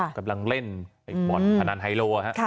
ค่ะกำลังเล่นอืมพนันไฮโล่นะฮะค่ะ